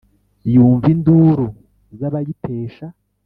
yumva induru z’abayitesha